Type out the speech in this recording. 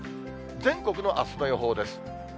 全国のあすの予報です。